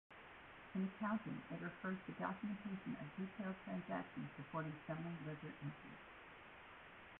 In accounting, it refers to documentation of detailed transactions supporting summary ledger entries.